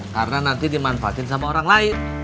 karena nanti dimanfaatin sama orang lain